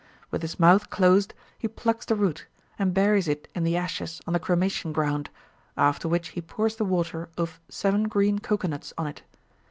With his mouth closed, he plucks the root, and buries it in the ashes on the cremation ground, after which he pours the water of seven green cocoanuts on it.